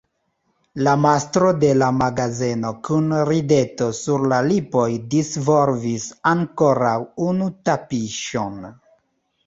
La mastro de la magazeno kun rideto sur la lipoj disvolvis ankoraŭ unu tapiŝon.